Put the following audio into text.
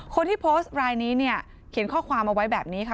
คนที่โพสต์รายนี้เนี่ยเขียนข้อความเอาไว้แบบนี้ค่ะ